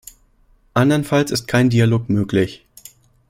Andernfalls ist kein Dialog möglich.